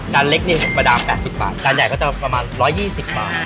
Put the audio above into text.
เล็กเนี่ยประดาม๘๐บาทจานใหญ่ก็จะประมาณ๑๒๐บาท